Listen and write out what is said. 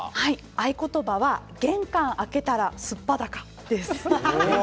合言葉は玄関、開けたら素っ裸です。